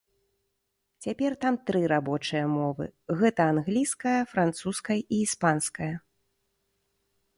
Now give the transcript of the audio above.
Цяпер там тры рабочыя мовы, гэта англійская французскай і іспанская.